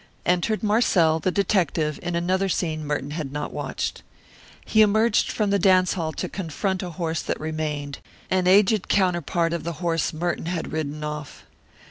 Entered Marcel, the detective, in another scene Merton had not watched. He emerged from the dance hall to confront a horse that remained, an aged counterpart of the horse Merton had ridden off.